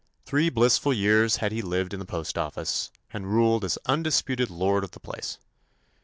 Three blissful years had he lived in the postoffice* and ruled as undisputed lord of the place.